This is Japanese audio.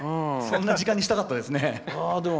そんな時間にしたかったです。